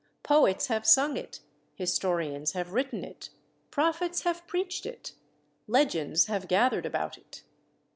Poets have sung it. Historians have written it. Prophets have preached it. Legends have gathered about it.